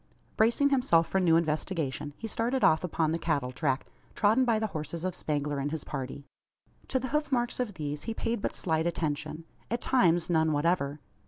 Bracing himself for a new investigation, he started off upon the cattle track, trodden by the horses of Spangler and his party. To the hoof marks of these he paid but slight attention; at times, none whatever.